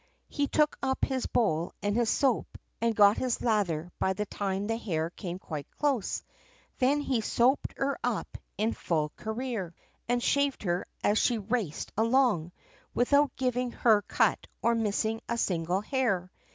He took up his bowl and his soap, and got his lather by the time the hare came quite close, then he soaped her in full career, and shaved her as she raced along, without giving her cut or missing a single hair.